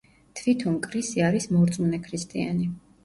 თვითონ კრისი არის მორწმუნე ქრისტიანი.